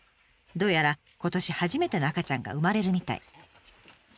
どうやら今年初めての赤ちゃんが産まれるみたい。